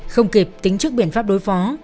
không kịp tính trước biện pháp đối phó